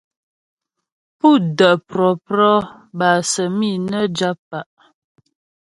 Pú də́ prɔ̌prɔ bâ səmi' nə́ jap pa'.